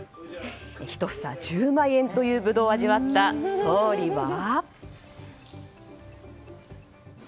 １房１０万円というブドウを味わった総理は。